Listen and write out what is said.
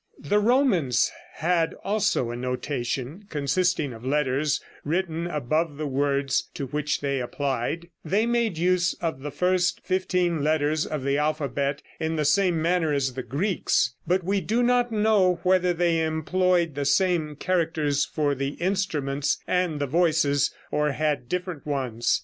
The Romans had also a notation consisting of letters written above the words to which they applied; they made use of the first fifteen letters of the alphabet in the same manner as the Greeks, but we do not know whether they employed the same characters for the instruments and the voices, or had different ones.